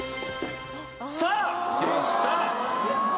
さあきました。